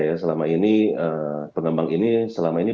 ya selama ini pengembang ini selama ini